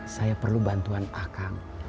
saya perlu bantuan akang